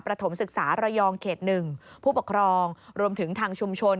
ถมศึกษาระยองเขต๑ผู้ปกครองรวมถึงทางชุมชน